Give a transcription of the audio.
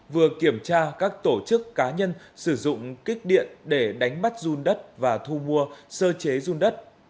vừa kiểm tra các tổ chức cá nhân sử dụng kích điện để đánh bắt run đất và thu mua sơ chế run đất